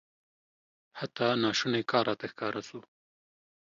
حتی ناشونی کار راته ښکاره سو.